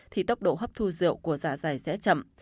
thì tốc độ hấp thu rượu của dạ dày sẽ chậm